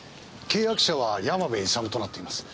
契約者は山部勇となっています。